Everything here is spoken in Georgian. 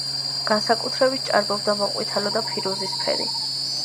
განსაკუთრებით ჭარბობდა მოყვითალო და ფირუზისფერი.